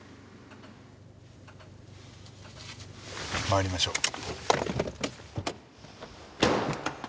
参りましょう。